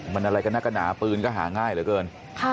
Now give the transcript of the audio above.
มันอะไรกันนักกระหนาปืนก็หาง่ายเหลือเกิน